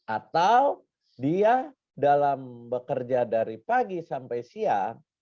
atau dia dalam bekerja dari pagi sampai siang